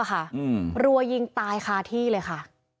รัวยิงตายคาที่เลยค่ะ